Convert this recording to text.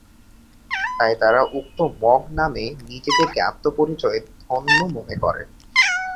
তাই তারা উক্ত মগ নামে নিজেদেরকে আত্ম পরিচয়ে ধন্য মনে করে।